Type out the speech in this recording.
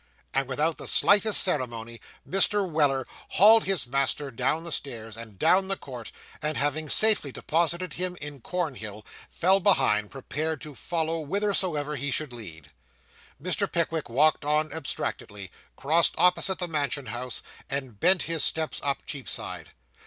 And without the slightest ceremony, Mr. Weller hauled his master down the stairs, and down the court, and having safely deposited him in Cornhill, fell behind, prepared to follow whithersoever he should lead. Mr. Pickwick walked on abstractedly, crossed opposite the Mansion House, and bent his steps up Cheapside.